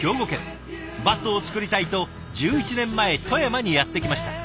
バットを作りたいと１１年前富山にやって来ました。